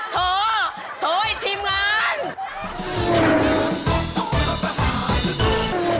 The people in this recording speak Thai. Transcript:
โถโถโถไอ้ทีมงาน